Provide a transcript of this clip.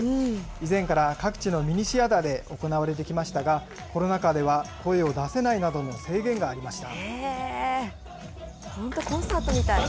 以前から各地のミニシアターで行われてきましたが、コロナ禍では声を出せないなどの制限がありました。